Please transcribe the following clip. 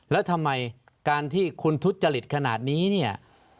แล้วทำไมการที่คุณทุจริตขนาดนี้เนี่ย